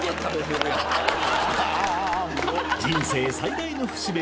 人生最大の節目